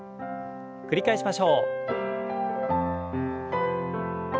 繰り返しましょう。